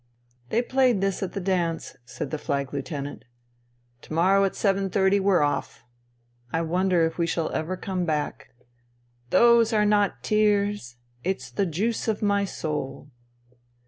" They played this at that dance," said the Flag Lieutenant. "' To morrow at 7.30 we're off. I wonder if we shall ever come back." " Those are not tears : it's the juice of my soul.